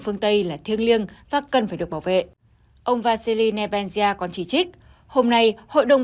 phương tây là thiêng liêng và cần phải được bảo vệ ông vaseli nebenzya còn chỉ trích hôm nay hội đồng